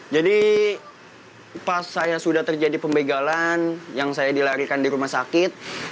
jadi pas saya sudah terjadi pembegalan yang saya dilarikan di rumah sakit